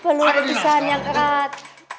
peluk di pesan yang keras